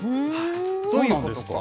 どういうことか？